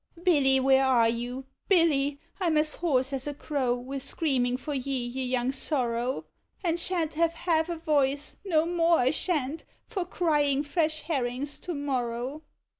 Billy — where are you, Hilly? — I 'm as hoarse as a crow, with screaming for ye, you young sorrow ! And sha'u't have half a voice, no more I sha'n't, for crying fresh herrings to morrow.